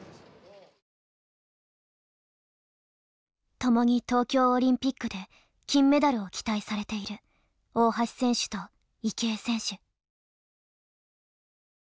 共に東京オリンピックで金メダルを期待されている大橋選手と池江選手。